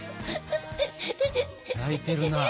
泣いてるな。